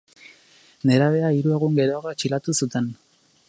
Nerabea hiru egun geroago atxilotu zuten.